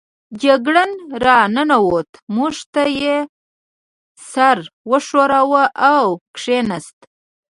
جګړن را ننوت، موږ ته یې سر و ښوراوه او کېناست.